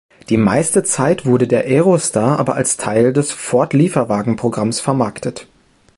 Die meiste Zeit wurde der Aerostar aber als Teil des Ford-Lieferwagenprogramms vermarktet.